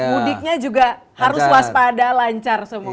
mudiknya juga harus waspada lancar semua